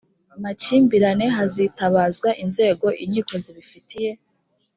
makimbirane hazitabazwa inzego inkiko zibifitiye